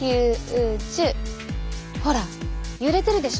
ほら揺れてるでしょ？